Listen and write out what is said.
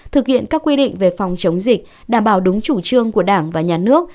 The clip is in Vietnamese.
thực hiện các quy định về phòng chống dịch đảm bảo đúng chủ trương của đảng và nhà nước